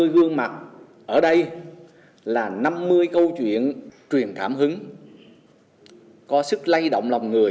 năm mươi gương mặt ở đây là năm mươi câu chuyện truyền cảm hứng có sức lay động lòng người